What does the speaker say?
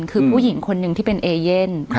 คือผู้หญิงคนหนึ่งที่เป็นเอเย่น